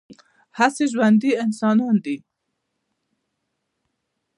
هسې ژوندي انسانان دي